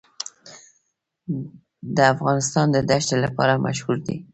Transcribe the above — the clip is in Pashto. افغانستان د دښتې لپاره مشهور دی.